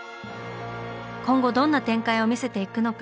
今後どんな展開を見せていくのか